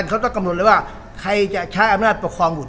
เขาต้องกำหนดเลยว่าใครจะใช้อำนาจปกครองบุต